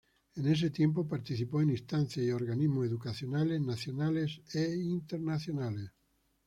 En ese tiempo participó en instancias y organismos educacionales nacionales e internacionales.